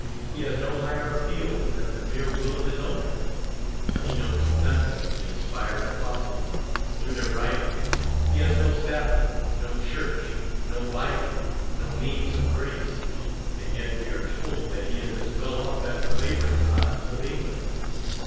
He has no higher appeal than the mere will of his owner. He knows nothing of the inspired Apostles through their writings. He has no Sabbath, no Church, no Bible, no means of grace, and yet we are told that he is as well off as the labouring classes of England.